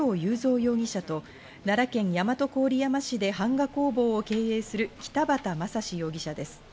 容疑者と奈良県大和郡山市で版画工房を経営する北畑雅史容疑者です。